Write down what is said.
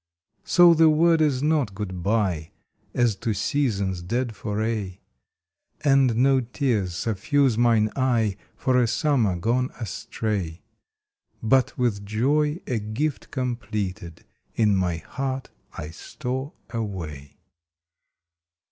So the word is not "Good by," As to seasons dead for aye, August Thirty first And no tears suffuse mine eye For a summer gone astray, But with joy a gift completed in my heart I store away.